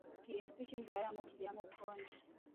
ukirinda ko icyumba uraramo kigeramo ubukonje